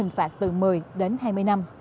hình phạt từ một mươi đến hai mươi năm